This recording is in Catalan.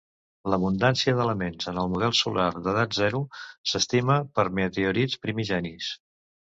L'abundància d'elements en el model solar d'edat zero s'estima per meteorits primigenis.